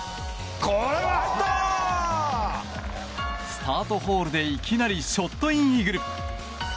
スタートホールでいきなりショットインイーグル。